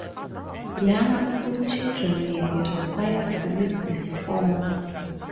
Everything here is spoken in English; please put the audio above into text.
Younger school children may be required to use this form.